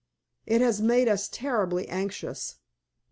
It has made us terribly anxious."